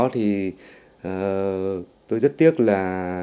tôi rất tiếc là